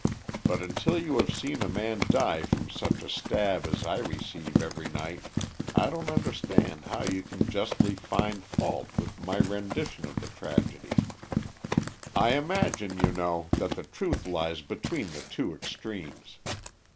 But until you have seen a man die from such a stab as I receive every night, I don't understand how you can justly find fault with my rendition of the tragedy. I imagine, you know, that the truth lies between the two extremes.